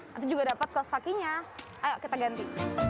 nanti juga dapat kelas sakinya ayo kita ganti